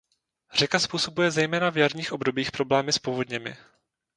Řeka způsobuje zejména v jarních obdobích problémy s povodněmi.